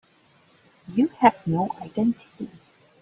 You have no identity.